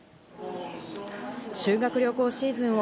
修学旅行シーズンを